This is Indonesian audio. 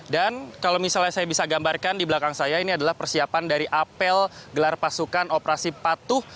dan kalau misalnya saya bisa gambarkan di belakang saya ini adalah persiapan dari apel gelar pasukan operasi patu